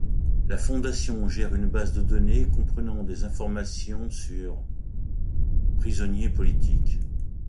La fondation gère une base de données comprenant des informations sur prisonniers politiques.